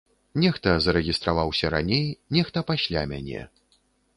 Нехта зарэгістраваўся раней, нехта пасля мяне.